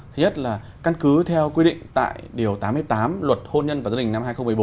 thứ nhất là căn cứ theo quy định tại điều tám mươi tám luật hôn nhân và gia đình năm hai nghìn một mươi bốn